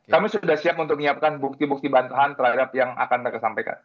kami sudah siap untuk menyiapkan bukti bukti bantahan terhadap yang akan mereka sampaikan